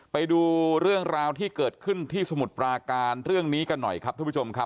ไปดูเรื่องราวที่เกิดขึ้นที่สมุทรปราการเรื่องนี้กันหน่อยครับทุกผู้ชมครับ